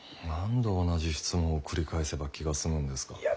何度同じ質問を繰り返せば気が済むんですか？